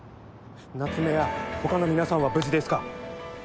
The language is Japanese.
夏目や他の皆さんは無事ですか？